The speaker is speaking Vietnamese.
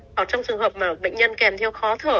hoặc trong trường hợp mà bệnh nhân kèm theo khó thở